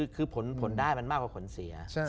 คือผลได้มันมากกว่าผลเสีย